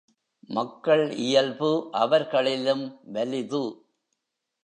மக்கள் இயல்பு அவர்களிலும் வலிது.